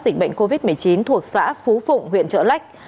dịch bệnh covid một mươi chín thuộc xã phú phụng huyện trợ lách